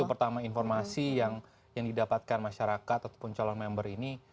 pertama informasi yang didapatkan masyarakat ataupun calon member ini